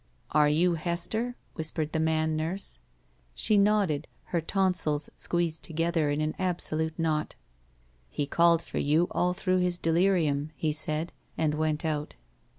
"Are you Hester?" whispered the man ntuse. She nodded, her tonsils squeezed together in an absolute knot. He called for you all through his deliriiun," he said, and went out.